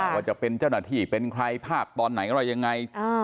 ว่าจะเป็นเจ้าหน้าที่เป็นใครภาพตอนไหนอะไรยังไง